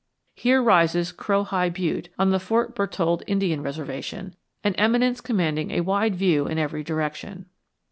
Here rises Crowhigh Butte, on the Fort Berthold Indian Reservation, an eminence commanding a wide view in every direction.